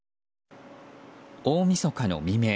大みそかの未明